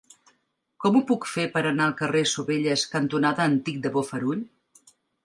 Com ho puc fer per anar al carrer Sovelles cantonada Antic de Bofarull?